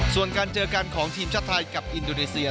ส่วนการเจอกันของทีมชาติไทยกับอินโดนีเซีย